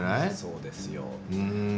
そうですよ。